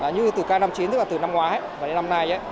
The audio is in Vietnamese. như từ ca năm chín tức là từ năm ngoái đến năm nay